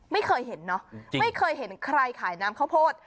ไม่เคยเห็นเนอะไม่เคยเห็นใครขายน้ำข้าวโพด